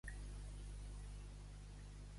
De pernes enlaire.